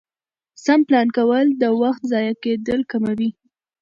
سم پلان کول د وخت ضایع کېدل کموي